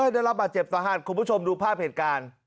ได้รับบาดเจ็บสาหัสคุณผู้ชมดูภาพเหตุการณ์